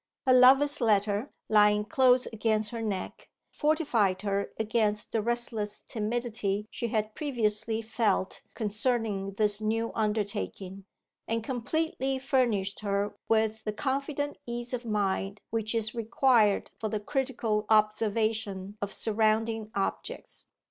Her lover's letter, lying close against her neck, fortified her against the restless timidity she had previously felt concerning this new undertaking, and completely furnished her with the confident ease of mind which is required for the critical observation of surrounding objects.